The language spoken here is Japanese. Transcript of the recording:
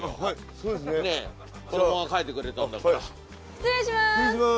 失礼します！